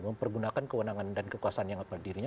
ketentuan kewenangan dan kekuasaan yang berdirinya